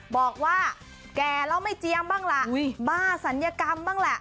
บอกว่าแก่แล้วไม่เจียมบ้างล่ะบ้าศัลยกรรมบ้างแหละ